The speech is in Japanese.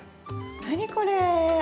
何これ。